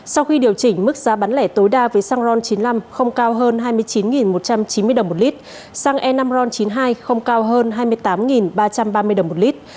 sau khi điều chỉnh mức giá bán lẻ tối đa với xăng ron chín mươi năm không cao hơn hai mươi chín một trăm chín mươi đồng một lít xăng e năm ron chín mươi hai không cao hơn hai mươi tám ba trăm ba mươi đồng một lít